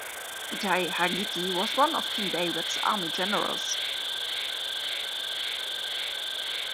Itai haGiti was one of King David's army Generals.